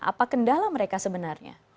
apa kendala mereka sebenarnya